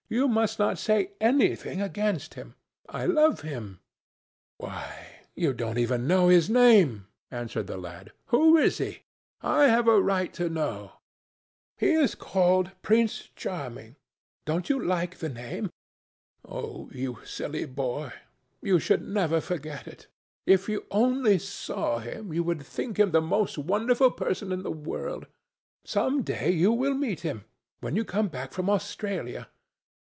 "You must not say anything against him. I love him." "Why, you don't even know his name," answered the lad. "Who is he? I have a right to know." "He is called Prince Charming. Don't you like the name. Oh! you silly boy! you should never forget it. If you only saw him, you would think him the most wonderful person in the world. Some day you will meet him—when you come back from Australia.